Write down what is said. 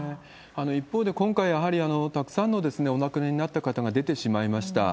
一方で、今回、やはりたくさんのお亡くなりになった方が出てしまいました。